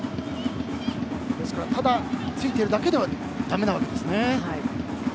ただついているだけではだめなわけですね。